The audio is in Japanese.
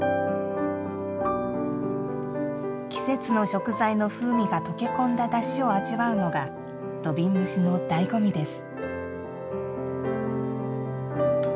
季節の食材の風味が溶け込んだだしを味わうのが土瓶蒸しのだいご味です。